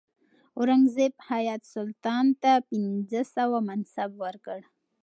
اورنګزیب حیات سلطان ته پنځه سوه منصب ورکړ.